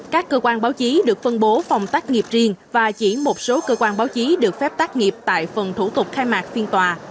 các cơ quan báo chí được phân bố phòng tác nghiệp riêng và chỉ một số cơ quan báo chí được phép tác nghiệp tại phần thủ tục khai mạc phiên tòa